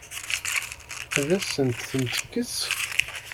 Ad asent-ten-tekkes?